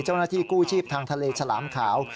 เจ้าหน้าที่กู้ชีพทางทะเลฉลามขาว